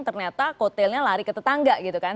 ternyata kotelnya lari ke tetangga gitu kan